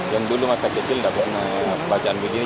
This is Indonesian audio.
yang dulu masa kecil nggak pernah bacaan begini